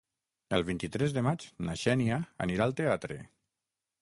El vint-i-tres de maig na Xènia anirà al teatre.